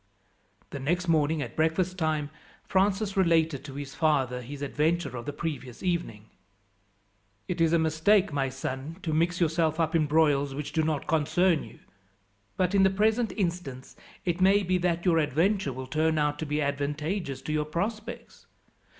The next morning, at breakfast time, Francis related to his father his adventure of the previous evening. "It is a mistake, my son, to mix yourself up in broils which do not concern you; but in the present instance it may be that your adventure will turn out to be advantageous to your prospects.